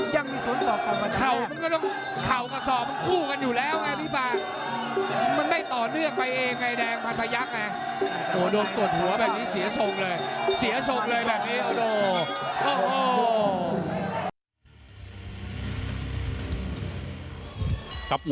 ยังมีสวนศอกกลับมาแทบ